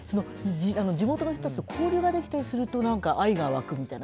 地元の人たちと交流できたりすると愛が湧くみたいな。